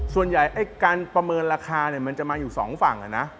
ส่วนใหญ่การประเมินราคาจะมาอยู่สองฝั่ง